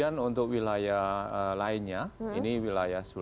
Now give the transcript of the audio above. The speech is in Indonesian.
jadi kita bisa lihat bagaimana ini berhasil